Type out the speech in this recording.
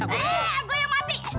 eh gue yang mati